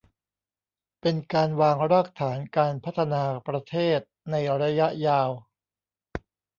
เป็นการวางรากฐานการพัฒนาประเทศในระยะยาว